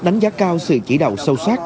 đánh giá cao sự chỉ đầu sâu sát